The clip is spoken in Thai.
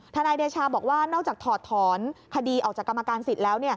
นายเดชาบอกว่านอกจากถอดถอนคดีออกจากกรรมการสิทธิ์แล้ว